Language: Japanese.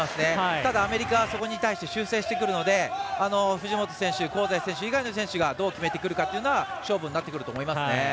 ただアメリカはそこに対して修正してくるので藤本選手、香西選手以外の選手がどう決めてくるかというのは勝負になってくると思いますね。